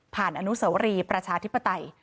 ผ่านอนุเสารีประชาธิปไตย